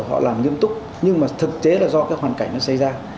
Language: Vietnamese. họ làm nghiêm túc nhưng mà thực tế là do cái hoàn cảnh nó xây ra